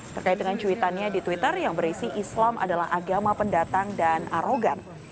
terkait dengan cuitannya di twitter yang berisi islam adalah agama pendatang dan arogan